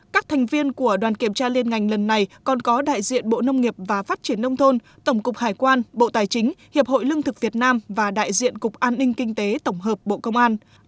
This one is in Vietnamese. các thành viên của đoàn kiểm tra liên ngành lần này còn có đại diện bộ nông nghiệp và phát triển nông thôn tổng cục hải quan bộ tài chính hiệp hội lương thực việt nam và đại diện cục an ninh kinh tế tổng hợp bộ công an